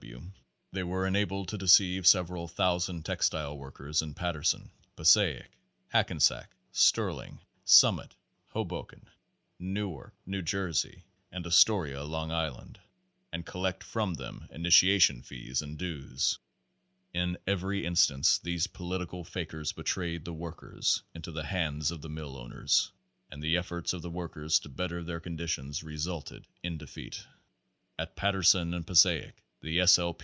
W. W. they were enabled to deceive sev eral thousand textile workers in Patterson, Passaic, Hackensack, Stirling, Summit, Hoboken, Newark, New Jersey ; and Astoria, Long Island, and collect from them initiation fees and dues. Page Ten In every instance these political fakers betrayed the workers into the hands of the mill owners, and the efforts of the workers to better their conditions resulted in defeat. At Paterson and Passaic the S. L.